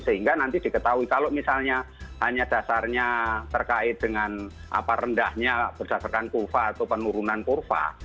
sehingga nanti diketahui kalau misalnya hanya dasarnya terkait dengan apa rendahnya berdasarkan kurva atau penurunan kurva